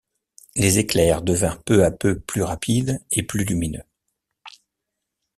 Les éclairs devinrent peu à peu plus rapides et plus lumineux.